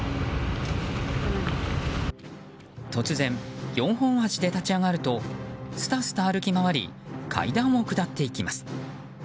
突然、４本足で立ち上がるとすたすた歩きまわり階段を下っていきます。